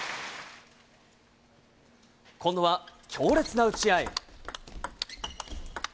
今度は強烈な打ち合い。